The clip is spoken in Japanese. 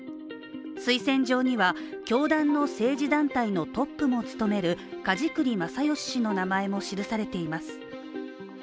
推薦状には教団の政治団体のトップも務める梶栗正義氏の名前も記されています。